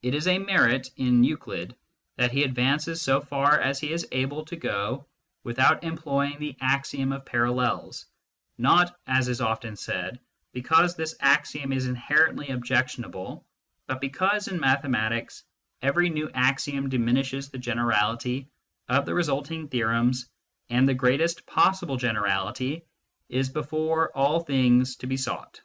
It is a merit in THE STUDY OF MATHEMATICS 71 Euclid that he advances as far as he is able to go without employing the axiom of parallels not, as is often said, because this axiom is inherently objectionable, but because, in mathematics, every new axiom diminishes the generality of the resulting theorems, and the greatest possible generality is before all things to be sought.